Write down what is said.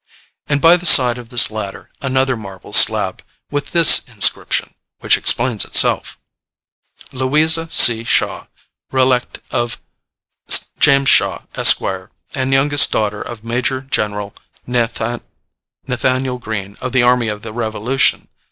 And by the side of this latter another marble slab, with this inscription, which explains itself: "Louisa C. Shaw, relict of James Shaw, Esq., and youngest daughter of Major General Nathaniel Greene of the Army of the Revolution.